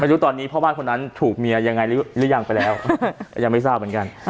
รู้ตอนนี้พ่อบ้านคนนั้นถูกเมียยังไงหรือยังไปแล้วยังไม่ทราบเหมือนกัน